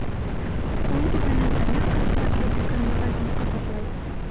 Ул үҙенең әллә ҡасан ятлап бөткән вәғәзен ҡабатлай.